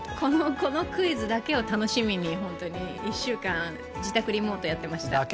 このクイズだけを楽しみに、１週間、自宅リモートをやっていました。